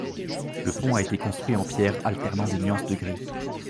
Le pont a été construit en pierres, alternant des nuances de gris.